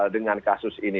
dengan kasus ini